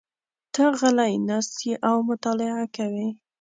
ته غلی ناست یې او مطالعه کوې.